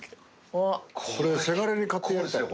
これせがれに買ってやりたい